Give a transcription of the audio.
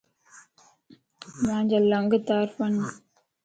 مانجا لنڳ تارڦن